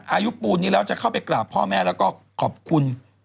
อายุปูนนี้แล้วจะเข้าไปกราบพ่อแม่แล้วก็ขอบคุณ